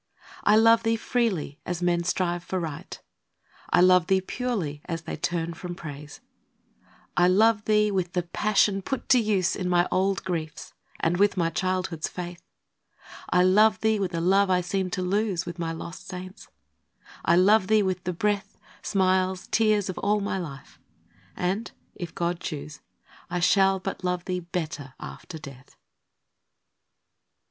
I love thee freely, as men strive for Right; I love thee purely, as they turn from Praise ; I love thee with the passion put to use In my old griefs, and with my childhood's faith ; I love thee with a love I seemed to lose With my lost saints; I love thee with the breath, Smiles, tears, of all my life ! and, if God choose, I shall but love thee better after death.